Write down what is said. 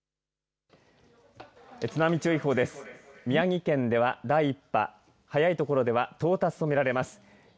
宮城県では第１波早いところでは到達とみられます。